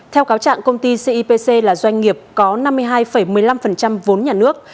theo cáo trạng công ty cipc là doanh nghiệp có năm mươi hai một mươi năm vốn nhà nước